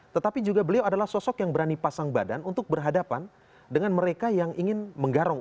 tetapi juga beliau adalah sosok yang berani pasang badan untuk berhadapan dengan mereka yang ingin menggarong